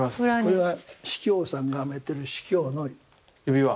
これは司教さんがはめてる司教の指輪。